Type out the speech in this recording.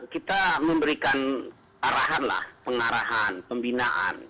kita memberikan arahan lah pengarahan pembinaan